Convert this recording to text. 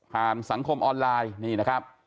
ผ่านสังคมออนไลน์